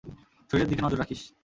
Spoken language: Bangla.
শরীরের দিকে নজর রাখিস।